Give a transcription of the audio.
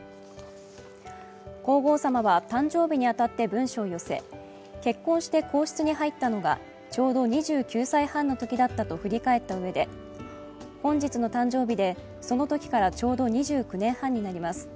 皇后さまは、誕生日にあたって文書を寄せ結婚して皇室に入ったのがちょうど２９歳半のときだったと振り返ったうえで本日の誕生日で、そのときからちょうど２９年半になります。